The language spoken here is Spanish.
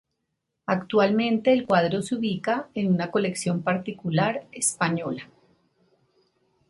Actualmente el cuadro se ubica en una colección particular española.